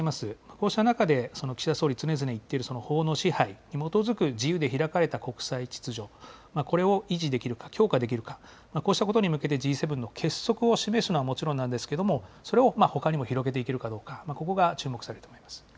こうした中で岸田総理、常々言っている、法の支配に基づく自由で開かれた国際秩序、これを維持できるか、強化できるか、こうしたことに向けて、Ｇ７の結束を示すのはもちろんなんですけれども、それをほかにも広げていけるかどうか、ここが注目されると思います。